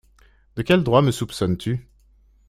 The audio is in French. De quel droit me soupçonnes-tu ?